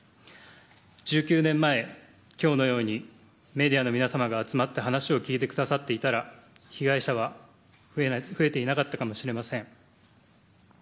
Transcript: １９年前、今日のようにメディアの皆様が集まって話を聞いてくださっていたら被害者は増えていなかったかもしれません。